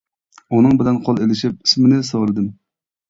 ئۇنىڭ بىلەن قول ئېلىشىپ، ئىسمىنى سورىدىم.